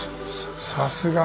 さすが！